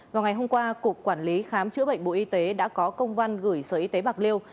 vào ngày hôm qua cục quản lý khám chữa bệnh bộ y tế đã có công văn gửi sở y tế bạc liêu